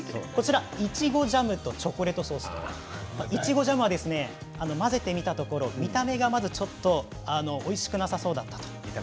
いちごジャムとチョコレートソースいちごジャムは混ぜてみたところ見た目が、まずちょっとおいしくなさそうだったと。